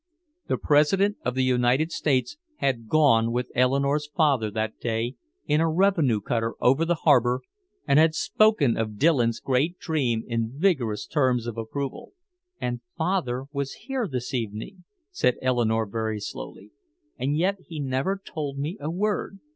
The President of the United States had gone with Eleanore's father that day in a revenue cutter over the harbor and had spoken of Dillon's great dream in vigorous terms of approval. "And father was here this evening," said Eleanore very slowly, "and yet he never told me a word.